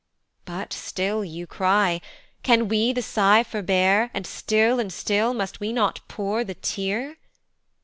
But still you cry, "Can we the sigh forbear, "And still and still must we not pour the tear?